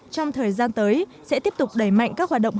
trong thời gian tới sẽ tiếp tục đẩy mạnh các hoạt động